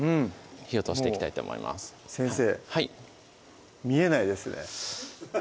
火を通していきたいと思います先生見えないですね